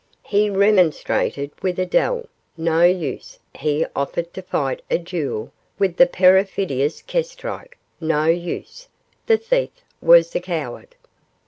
He remonstrated with Adele, no use; he offered to fight a duel with the perfidious Kestrike, no use; the thief was a coward.